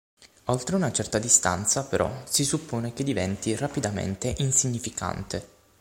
Oltre una certa distanza, però, si suppone che diventi rapidamente insignificante.